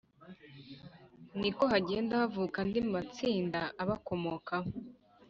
niko hagenda havuka andi matsinda abakomokaho